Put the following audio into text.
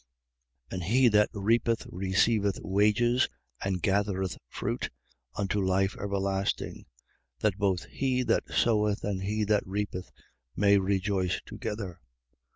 4:36. And he that reapeth receiveth wages and gathereth fruit unto life everlasting: that both he that soweth and he that reapeth may rejoice together.